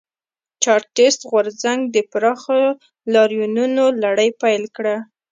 چارټېست غورځنګ د پراخو لاریونونو لړۍ پیل کړه.